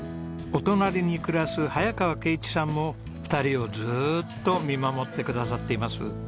お隣に暮らす早川敬一さんも２人をずっと見守ってくださっています。